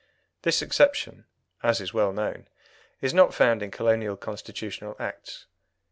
This exception (as is well known) is not found in colonial Constitutional Acts.